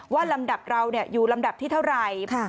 ลำดับเราอยู่ลำดับที่เท่าไหร่